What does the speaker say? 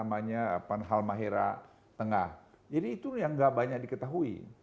kemudian halmahera tengah jadi itu yang gak banyak diketahui